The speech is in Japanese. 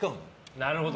なるほど。